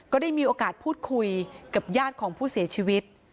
ก็ได้มีโอกาสพูดคุยกับญาติของผู้เสียชีวิต